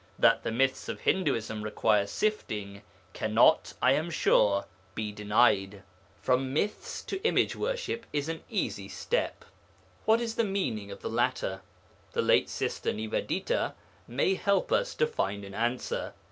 That the myths of Hinduism require sifting, cannot, I am sure, be denied. From myths to image worship is an easy step. What is the meaning of the latter? The late Sister Nivedita may help us to find an answer.